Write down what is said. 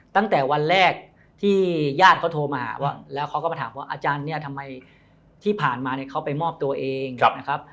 ตั้งแต่วันแรกที่ญาติเขาโทรมาแล้วเขาก็มาถามว่าอาจารย์เนี่ยทำไมที่ผ่านมาเนี่ยเขาไปมอบตัวเองนะครับ